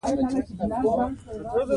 ژمی د افغانانو د معیشت سرچینه ده.